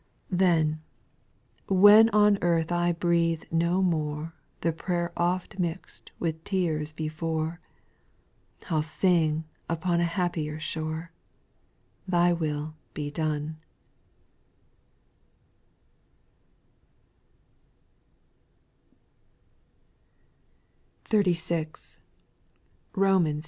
' 6. Then, when on earth I breathe no more The prayer oft mix'd with tears before, I '11 sing upon a happier shore, Tliy will be doTYe:"* 60 SPIRITUAL SONGS, 36.